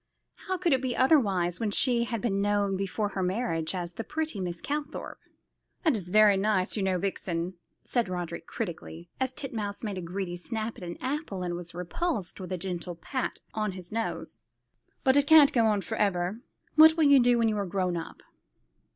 How could it be otherwise, when she had been known before her marriage as "the pretty Miss Calthorpe?" "This is very nice, you know, Vixen," said Roderick critically, as Titmouse made a greedy snap at an apple, and was repulsed with a gentle pat on his nose, "but it can't go on for ever. What'll you do when you are grown up?"